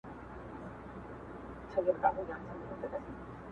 ناځواني.